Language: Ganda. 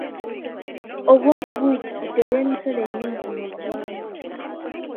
Obwavu obuyitiridde olw’emisolo emingi mu ggwanga.